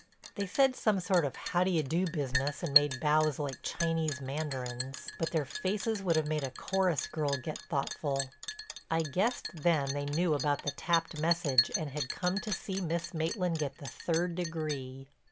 They said some sort of "How d'ye do" business and made bows like Chinese mandarins, but their faces would have made a chorus girl get thoughtful. I guessed then they knew about the tapped message and had come to see Miss Maitland get the third degree.